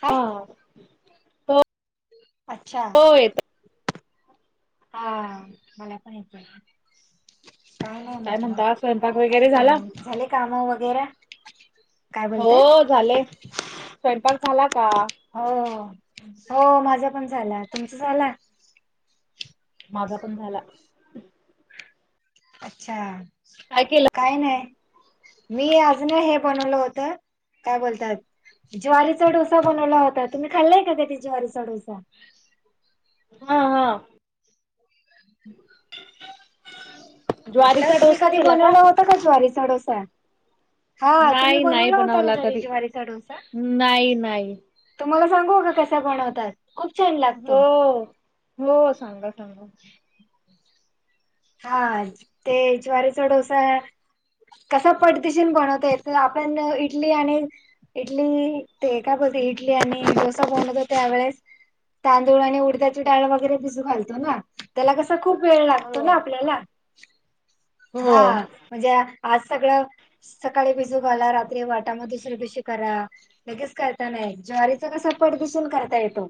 काय हा अच्छा होयेत हा मला पण येतोय काय नाही काय म्हटलं म्हणता स्वयंपाक काय वगैरे झाला चाललं झाले काम वगैरा हो झाले स्वयपाक झाला का हो हो हो माझा पण झाला तुमचा झाला माझा पण झाला अच्छा काय केलं काही नाही मी अजून हे बनवलं होतं काय बोलतात ज्वारीचा डोसा बनवला होता तुम्ही खाल्लाय का कधी ज्वारीचा डोसा हा हा म्हटलं ज्वारीचा तुम्ही डोसा कधी केला बनवलं होत का ज्वारीचा डोसा हा तुम्ही नाही नाही बनवला होता का घरी कधी ज्वारीचा डोसा नाही नाही तुम्हाला सांगू का कसा बनवतात खूप छान लाग - हो हो सांगा सांगा हा ते ज्वारीचा डोसा कसा पटदिशीन बनवता येत आपण इडली आणि इडली ते का बोलते इडली आणि डोसा बनवतो त्यावेळेस तांदूळ आणि उडद्याची डाळ वगैरे भिजू घालतो ना त्याला कसा खूप वेळ लागतो ना हो आपल्याला हा हो म्हणजे आज सगळं सकाळी भिजू घाला रात्री वाटामध्ये दुसर दिशी करा लगेच करता नाही ज्वारीचा कसा पट दिशीन करता येतो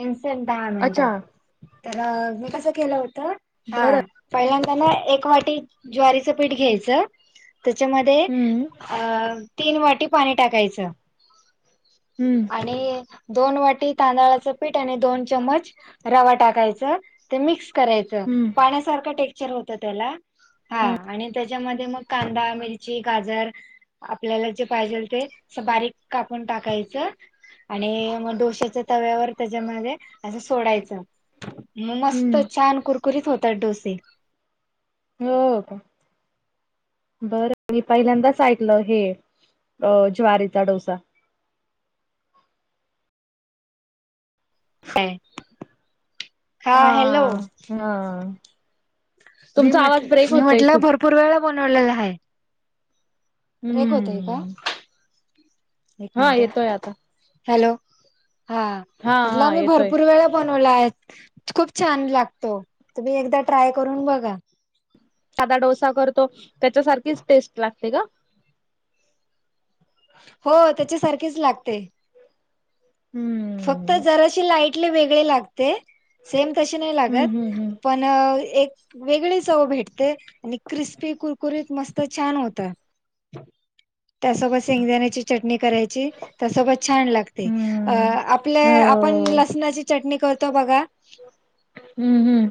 इन्सेंट दहा अच्छा मिनिटात तर मी कसं केलं होत हा बरं पहिल्यांदा ना एक वाटी ज्वारीचं पीठ घ्यायचं त्याच्यामध्ये हम्म अ तीन वाटी पाणी टाकायचं हम्म आणि दोन वाटी तांदळाचं पीठ आणि दोन चमच रवा टाकायचा मिक्स करायच हम्म पाण्यासार टेक्चर होत त्या ह त्याच्यामध्ये मग कांदा मिरची गाजर आपल्याला जे पाहिजे ते बारीक कापून टाकायचं आणि मग डोश्याच्या तव्यावर त्याच्यामध्ये असं सोडायचं मग मस्त हम्म छान कुरकुरीत होतात डोसे हो का बरं मी पहिल्यांदाच ऐकलं हे अ ज्वारीचा डोसा काय हा हा तुमचा आवाज ब्रेक होतोय खूप पूर्वेला बनवलेला आहे ब्रेक होतय का हम्म एक हा मिनिट येतोय आता हॅलो हा हा म्हटलं हा मी येतोय भरपूर वेळा बनवला आहेत खूप छान लागतो तुम्ही एकदा ट्राय करून बघा सादाा डोसा करतो त्याच्यासारखीच टेस्ट लागते का हो त्याच्यासारखेच लागते हम्म फक्त जराशी लाईटली वेगळी लागते सेम तशी नाही हम्म लागत हम्म हम्म पण अ एक वेगळी चव भेटते आणि क्रिस्पी कुरकुरीत मस्त छान होत त्यासोबत शेंगदाण्याची चटणी करायची त्यासोबत छान लागते अ हम्म आपलं आपण हो लसणाची चटणी करतो बघा हम्म हम्म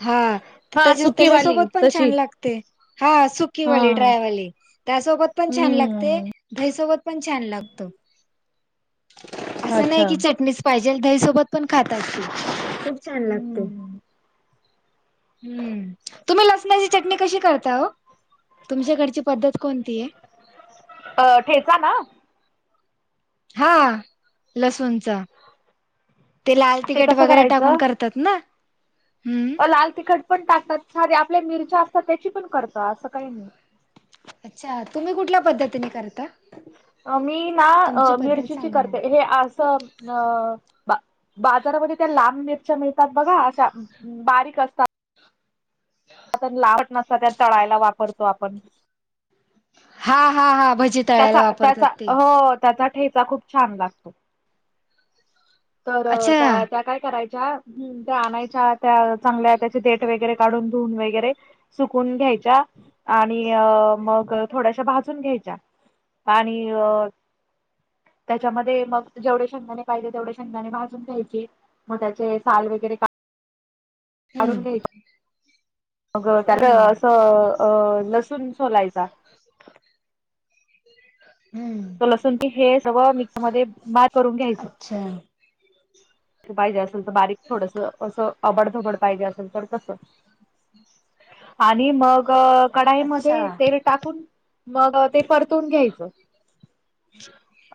हा हा त्याच्या सुकीवाली त्याच्यासोबत पण छान तशी लागत हा हा सुकीवाली ड्रायवाली त्यासोबत पण छान लागते हम्म ईसोबत पण छान लागत असं नाही अच्छा की चटणी पाहिजेल दही सोबत पण खातात ती खूप छान लागते हम्म तुम्ही लसणाची चटणी कशी करताह तुमच्याकडची पद्धत कोणती आहे अ ठेचा ना हा लसूणच ते लाल तिखट कसं वगैरे टाकून करायचं करत ात ना् लाल तिखट पण टाकतात सारीे आपल्या मिरच्या असतात त्याची पण करत असं काही नाही अच्छा तुम्ही कुठल्या पद्धतीने करता मी तुमची ना पद्धत मिरचीची सांगा ना. करते हे असं अ बा बाजारामध्ये त्या लांब मिरच्या मिळतात बघा अशा बारीक असतात आ लाहट नसा त्या तळायला वापरतो आपण हा हा हा भ त्याचा त्याचा हो त्याचा ठेचा खूप छान लागतो तर अच्छा त्या त्या काय करायच्या त्या आणायच्या त्या चांगल्या त्याचे ट वगैरे काढून धुून वगैरे सुकून घ्यायच्या आणि अ मग थोड्याशा भाजून घ्यायच्या आणि अ त्याच्यामध्ये मग जेवढे ंगाने पाहिजे तेवढे ंगा भाून घ्याय मग त्याचे वगरे हम्म. काढून घ्यायच मग त्यात हम्म असं लसूण सोलायचा [unintelligible] लसूण क हे सगळं मिक्सर मध्ये मार करून घ्यायचं अच्छा पाहिजे असेल तर बारीक थोडस असं अबडधबड पाहिजे असेल तर कसं आणि मग अच्छा कढाईमध्ये ते टाकून मग ते परतवून घ्यायचं.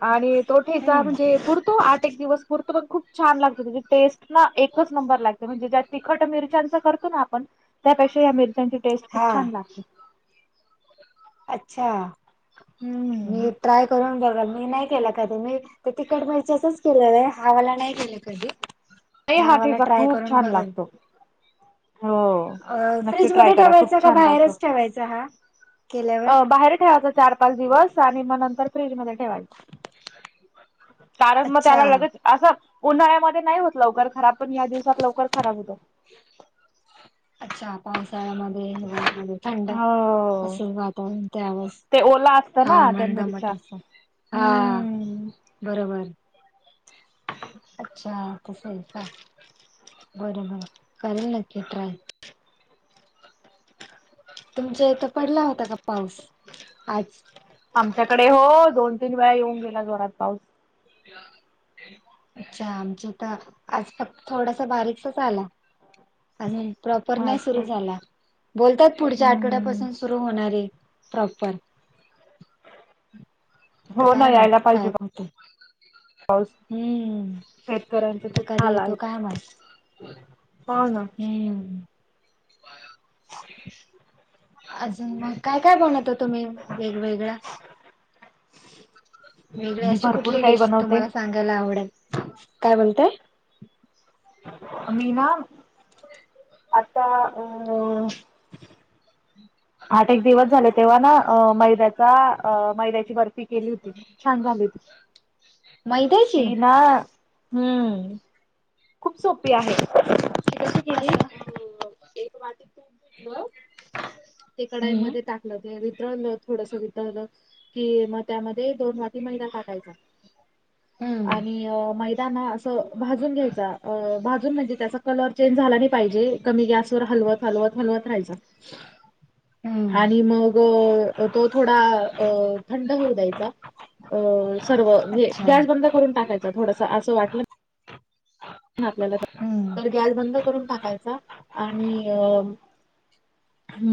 आणि तो ठेचा हम्म म्हणजे पुरतो आठ एक दिवस पुरतो पण खूप छान लागत त्याची टेस्ट ना एकच नंबर लागते म्हणजे ज्या तिखट मिरच्याचा करतो ना आपण त्यापेक्षा या मिरच्यांची टेस्ट हा खूप छान लागते. अच्छा. हमम. मी ट्राय करून बघाल मी नाही केला कधी मी ते तिखट मिरच्याचाच केलं व्हय. हा वाला नाही केलं कधी. हा वाला ठेचा ट्राय खूप करून छान बघल. लागतो. हो अ नक्की ट्राय फ्रीजमध्ये करा खूप ठेवायचा का छान लागतो. बाहेरच ठेवायचा हा? केल्यावर अ बाहेर ठेवायचं चार पाच दिवस आणि मग नंतर फ्रीजमध्ये ठेव. ठेवायच कारण मग अच्छा त्याला लगेच असं उन्हाळ्यामध्ये नाही होत लवकर खराब पण या दिवसात लवकर खराब होतात. अच्छा पावसाळ्यामध्ये हिवाळामध्ये थंड हो असे वातावरण त्यावेळेस ते ओला असतं हा ना त्या मंदमट मिरच्या [unintelligible] हा हम्म बरोबर अच्छा तस आहे का? बरोबर करेल नक्की ट्राय. तुमच्या इथं पडला होता का पाऊस आज? आमच्याकडे हो दोन तीन वेळा येऊन गेला जोरात पाऊस. [inaudible] अच्छा आमच तर आज फक्त थोडास बारीकच आला. अजून प्रॉपर नाही अच्छा सुरू झाला बोलतात पुढच्या हम्म आठवड्यापासून सुरू सुरू होणार ये प्राॅपर. तर हो ना काय यायला माहित काय पाहिजे होतय. पाऊस हम्म. शेतकऱ्यांचे आता खूप कधी हालहाल येतो काय माहित हाव ना. हम्म. अजून मग काय काय बनवता तुम्ही वेगवेगळा? वेगळे मी अशी भरपूर कुठली काही डिश बनवते. तुम्हाला सांगायला आवडेल. काय बोलताय? मी ना आता अ [inaudible] आठ एक दिवस झाले तेव्हा ना मैद्याचा मैद्याची बर्फी केली होती छान झाली होती. मैद्याची? ती ना हमम. खूप सोपी आहे. केली कसं? अ एक वाटी तूप घेतलं ते हम्म कढाईमध्ये टाकलं ते वितळलं थोडस वितळलं की मग त्यामध्ये दोन वाट आधी मैदा टाकायचा हम्म आणि मैदा ना असा अ भाजून घ्यायचा. भाजून म्हणजे त्याचा कलर चेंज झाला नाही पाहिजे कमी गॅसवर हलवत हलवत हलवत राहायच. हम्म आणि मग अ तो थोडा अ थंड होऊ द्यायचा. अ सर्व जे अच्छा गॅस बंद करून टाकायच थोडस असं वाटलं आपल्याला हम्म. तर गॅस बंद करून टाकायचा आणि अ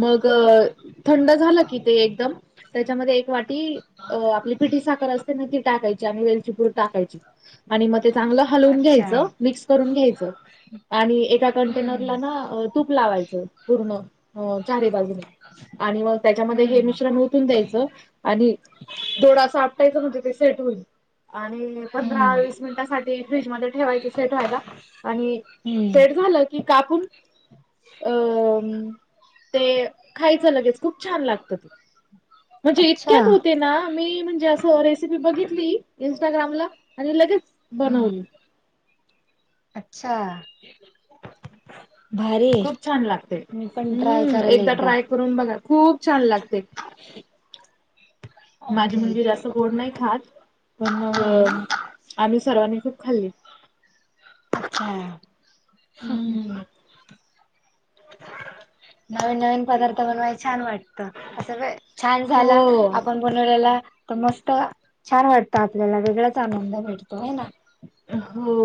मग अ थंड झाला कि ते एकदम त्याच्या त्याच्यामध्ये एक वाटी अ आपली पिठी साखर असते ना ती टाकायची आणि वेलचीपुड टाकायची आणि मग ते चांगलं हलवून अच्छा घ्यायचं मिक्स करून घ्यायचं. आणि एका हम्म कंटेनरला ना तूप लावायचं पूर्ण चारी बाजूने. आणि मग त्याच्यामध्ये हे हम्म मिश्रण ओतून द्यायचं. आणि थोड असं आपटायचं म्हणजे ते सेट होईल. आणि पंधरा हम्म वीस मिनिटांसाठी फ्रीजमध्ये ठेवायच. आणि हम्म सेट झालं की कापून अ ते खायचं लगेच खूप छान लागतं. म्हणजे अच्छा इतक्यात हो ते ना मी म्हणजे असं रेसिपी बघितली इंस्टाग्रामला आणि लगेच बनवली. आच्छा. खूप छान लागते मी पण ट्राय हम्म करेल एकदा ट्राय करून बघा खूप छान लागते. माझी ओके मुलगी जास्त गोड नाही खात, पण मग हम्म आम्ही सर्वांनी खूप खाल्ली. आच्छा [unintelligible] हम्म नवीन नवीन पदार्थ बनवाय छान वाटत असं छान झाला हो आपण बनवल्याला तर मस्त छान वाटतं, आपल्याला वेगळाच आनंद भेटतो व्हय ना? हो.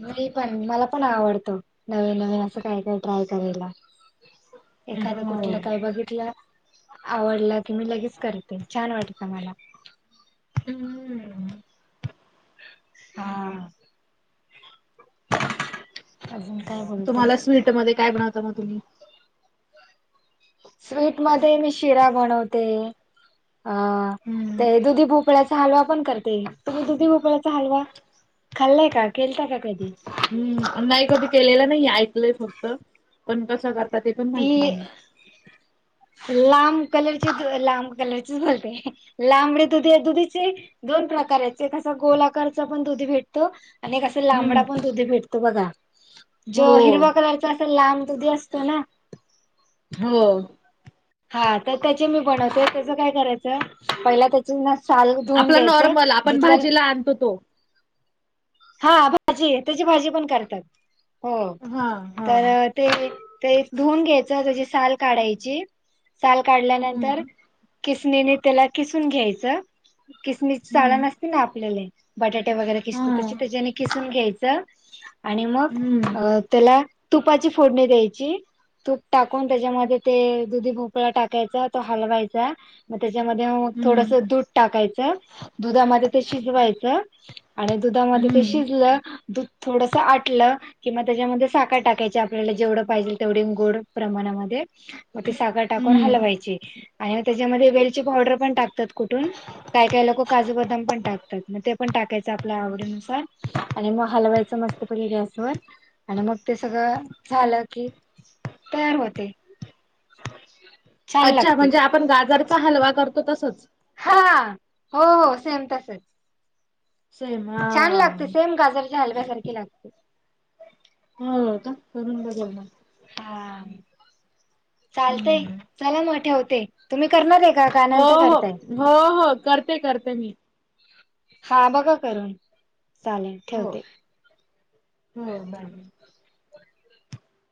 मी पण मला पण आवडतो नवीन नवीन असं काय काय ट्राय करायला. एखादं हो कुठलं काय बघितलं आवडलं की मी लगेच करते छान वाटतं मला. हम्म. हा आजून काय बोलताय? स्वीटमध्ये काय बन [unintelligible] तुम्ही स्वीट मध्ये मी शिरा बनवते अ हम्म ते दुधी भोपळ्या हालवा पण करते तुम्ही दुधी भोकळ्याचा हालवा खाल्लाय का? केलता का कधी? हम्म नाही कधी केलेलं नाही ऐकलंय फक्त पण कस कर ती लांब कलरची लांब कलरची बोलते लांबडी दुधी दुधीची दोन प्रकार आहेत ते कसं गोल आकारच पण दुधी भेटतो आणि एक असा हम्म लांबडा पण दुधी भेटतो बघा हो जो हिरव कलरच असं लांब दुधी असतं ना हो. हा तर त्याचे मी बनवते त्याच काय करायचं पहिला ते चे ना साल धुवून आपला घ्यायचं नॉर्मल आपण धूतल्या भाजीला आणतो तो हा भाजी त्याची भाजी पण करतात हो हा हा तर ते ते धुवून घ्यायचं, त्याची साल काढायची, साल काढल्यानंतर हम्म. खिसणीने तेला खिसून घ्यायच खिसणीची हम्म चाळन असते ना आपल्याले बटाटे वगैरे हा खिसतो तशी तेज्याने खिसून घ्यायचं आणि मग हम्म अ तेला तुपाची फोडणी द्यायची. तूप टाकून तेच्यामध्ये ते दुधी भोपळा टाकायचा तो हलवायचा म तेच्यामध्ये हम्म थोडस दूध टाकायचं, दुधामध्ये ते शिजवायचं, आणि दुधामध्ये ते हम्म शिजलं, दूध थोडस आटलं कि म त्याच्यामध्ये साखर टाकायची आपल्याला जेवढं पाहिजेल तेवढी गोड प्रमाणामध्ये म ते साखर टाकून हम्म. हालवायची आणि मग तेच्यामध्ये वेलची पावडर पण टाक तात कुटून काय काय लोक काजू, बदाम पण टाकतात मग ते पण टाकायच आपल्या आवडीनुसार आणि म हालवायच मस्त प गॅसवर आणि मग ते सगळं झालं की तयार होते. छान अच्छा लागते म्हणजे आपण गाजरचा हालवा करतो तसच. हा हो हो सेम तसच. सेम हा छान लागते सेम गाजरच्या हलव्यासारखी लागते. हो का करून बघेल म. हा चालतय हम्म. चला म ठेवते. तुम्ही करणार ये का का हो नंतर हो करताय? हो हो करते करते मी हा बघा करून चालेल हो ठेवते. हो बाय.